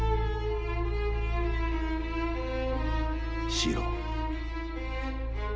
四郎。